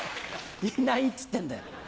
いないっつってんだよ。